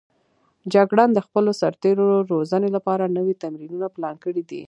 جګړن د خپلو سرتېرو روزنې لپاره نوي تمرینونه پلان کړي دي.